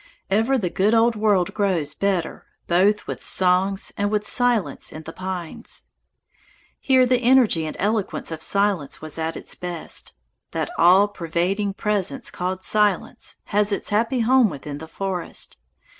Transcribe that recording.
Ever the good old world grows better both with songs and with silence in the pines. Here the energy and eloquence of silence was at its best. That all pervading presence called silence has its happy home within the forest.